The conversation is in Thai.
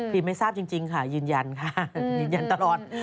ไม่ทราบจริงค่ะยืนยันค่ะยืนยันตลอด